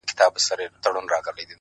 ستـا له خندا سره خبري كـوم!!